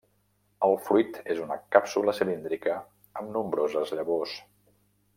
El fruit és una càpsula cilíndrica amb nombroses llavors.